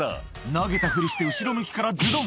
「投げたふりして後ろ向きからズドン！」